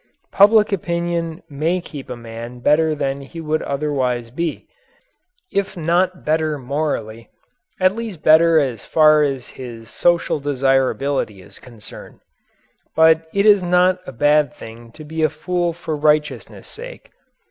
Public opinion may keep a man better than he would otherwise be if not better morally, at least better as far as his social desirability is concerned. But it is not a bad thing to be a fool for righteousness' sake.